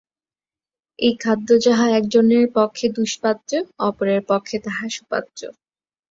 একই খাদ্য যাহা একজনের পক্ষে দুষ্পাচ্য, অপরের পক্ষে তাহা সুপাচ্য।